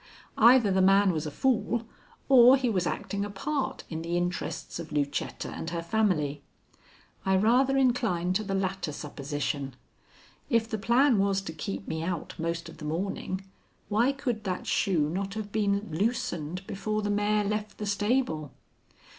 Either the man was a fool or he was acting a part in the interests of Lucetta and her family. I rather inclined to the latter supposition. If the plan was to keep me out most of the morning why could that shoe not have been loosened before the mare left the stable?